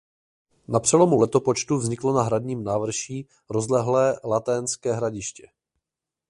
Na přelomu letopočtu vzniklo na hradním návrší rozlehlé laténské hradiště.